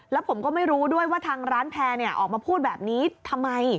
แล้วผมก็ไม่รู้ด้วยว่าทางร้านแพร่ออกมาพูดแบบนี้ทำไม